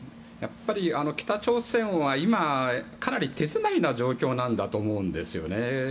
北朝鮮は今かなり手詰まりな状況なんだと思うんですよね。